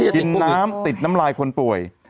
กินน้ำติดน้ำลายคนป่วย